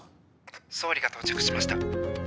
総理が到着しました。